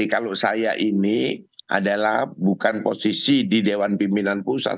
kalau saya ini adalah bukan posisi di dewan pimpinan pusat